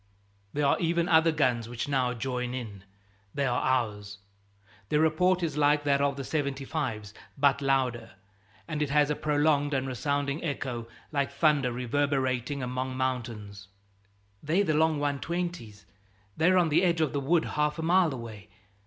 There are even other guns which now join in they are ours. Their report is like that of the 75's, but louder, and it has a prolonged and resounding echo, like thunder reverberating among mountains. "They're the long 120's. They're on the edge of the wood half a mile away.